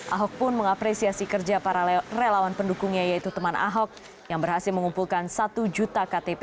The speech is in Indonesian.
ahok pun mengapresiasi kerja para relawan pendukungnya yaitu teman ahok yang berhasil mengumpulkan satu juta ktp